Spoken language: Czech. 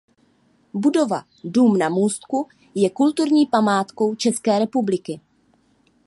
Budova Dům Na Můstku je kulturní památkou České republiky.